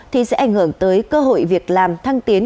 thì sẽ ảnh hưởng tới cơ hội việc làm thăng tiến